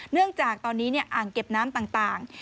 เนื่องจากตอนนี้อ่างเก็บน้ำต่าง